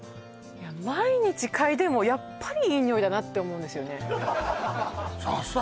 毎日嗅いでもやっぱりいい匂いだなって思うんですよね搾菜？